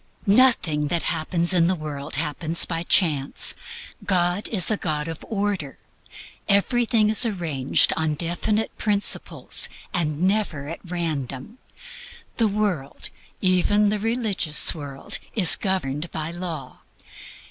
Nothing that happens in the world happens by chance. God is a God of order. Everything is arranged upon definite principles, and never at random. The world, even the religious world, is governed by law.